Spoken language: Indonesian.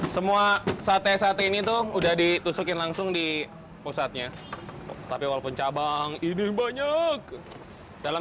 semua sate sate ini tuh udah ditusukin langsung di pusatnya tapi walaupun cabang ini banyak dalam